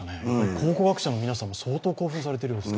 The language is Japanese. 考古学者の皆さんも相当興奮されているようですね。